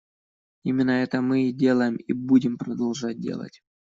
Именно это мы и делаем и будем продолжать делать.